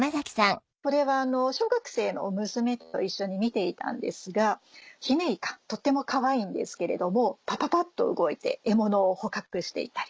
これは小学生の娘と一緒に見ていたんですがヒメイカとってもかわいいんですけれどもパパパっと動いて獲物を捕獲していたり。